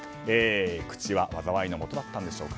口は災いのもとだったんでしょうか。